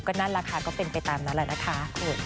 ก็นั่นราคาก็เป็นไปตามนั้นแหละนะคะ